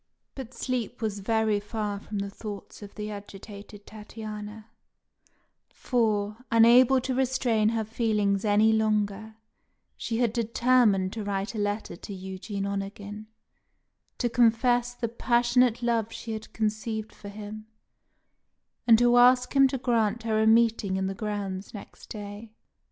But sleep was very far from the thoughts of the agitated Tatiana; for, unable to restrain her feelings any longer, she had determined to write a letter to Eugene Onegin, to confess the passionate love she had conceived for him, and to ask him to grant her a meeting in the grounds next day.